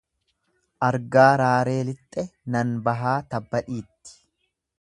Argaa raaree lixxe nan bahaa tabba dhiitti.